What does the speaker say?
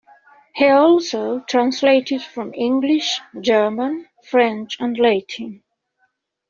He also translated from English, German, French and Latin.